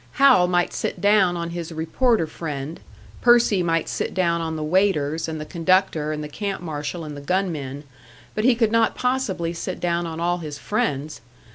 Hal might sit down on his reporter friend, Percy might sit down on the waiters and the conductor and the camp marshal and the gunmen but he could not possibly sit down on all his friends!